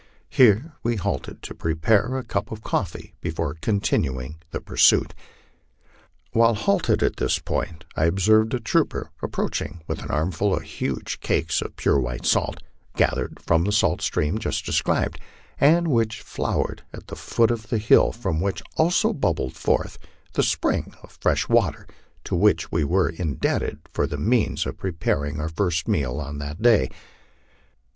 Here we halted to prepare a cup of coffee before continuing the pursuit. While halted at this point I observed a trooper approaching with an armful of huge cakes of pure white salt, gathered from the salt stream just described, and which flowed at the foot of the hill from which also bubbled forth the spring of fresh water to which we were indebted for the means of preparing our first meal on that day.